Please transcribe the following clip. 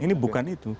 ini bukan itu